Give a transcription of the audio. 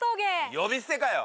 呼び捨てかよ！